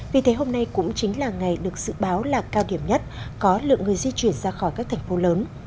vì thế hôm nay cũng chính là ngày được dự báo là cao điểm nhất có lượng người di chuyển ra khỏi các thành phố lớn